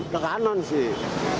ke kanan sih